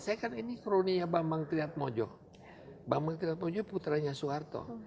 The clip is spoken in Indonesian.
saya kan ini kroninya bambang triatmojo bambang triatmojo putranya soeharto